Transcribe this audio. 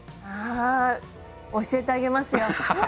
あ教えてあげますよ。